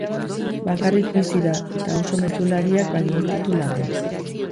Bakarrik bizi da, eta uso mezulariak baino ez ditu lagun.